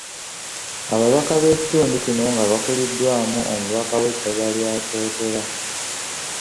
Ababaka b’ekitundu kino nga bakuliddwamu omubaka w’essaza lya Kyotera.